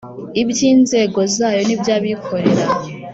iby’inzego zayo n’iby’abikorera